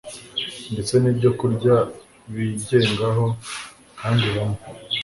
ndetse n’ibyokurya bigengaho, kandi bamwe